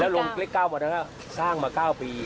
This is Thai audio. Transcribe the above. แล้วลงเรียก๙ปีมันนะครับสร้างมา๙ปี